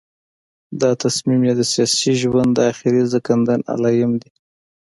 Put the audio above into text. دا تصمیم یې د سیاسي ژوند د آخري ځنکدن علایم دي.